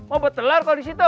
mau buat telar kau di situ